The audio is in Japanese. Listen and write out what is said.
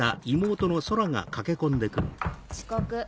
遅刻。